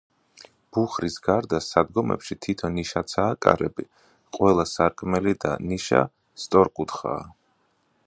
ბუხრის გარდა სადგომებში თითო ნიშაცაა კარები, ყველა სარკმელი და ნიშა სწორკუთხაა.